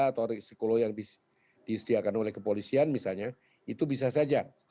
atau psikolog yang disediakan oleh kepolisian misalnya itu bisa saja